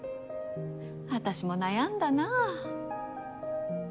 私も悩んだな。